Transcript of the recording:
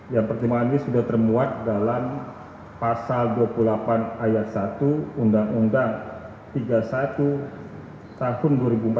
yang pertimbangan ini sudah termuat dalam pasal dua puluh delapan ayat satu undang undang tiga puluh satu tahun dua ribu empat belas